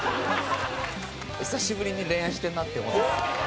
久しぶりに恋愛してるなって思ってます。